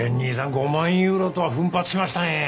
５万ユーロとは奮発しましたねぇ。